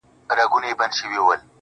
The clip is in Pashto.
زړه ته د ښايست لمبه پوره راغلې نه ده.